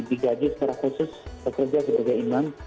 digaji secara khusus bekerja sebagai imam